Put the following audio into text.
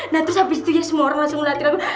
nah terus abis itu ya semua orang langsung ngeliatin aku